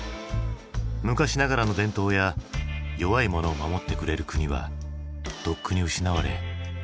昔ながらの伝統や弱い者を守ってくれる国はとっくに失われどこにもない。